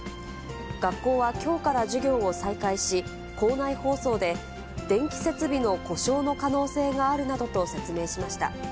学校はきょうから授業を再開し、校内放送で、電気設備の故障の可能性があるなどと説明しました。